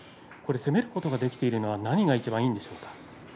攻めることができているのは何がいちばんいいんでしょう。